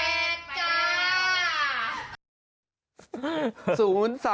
ระมุดเอาไหนอีกไหนอีกอ๋อศูนย์สามนะคะศูนย์สาม